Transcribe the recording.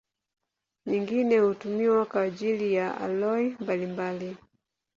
Nyingine hutumiwa kwa ajili ya aloi mbalimbali.